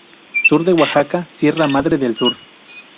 Sur de Oaxaca, Sierra Madre del sur.